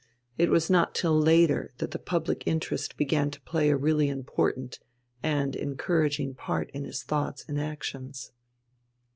It was not till later that the public interest began to play a really important and encouraging part in his thoughts and actions.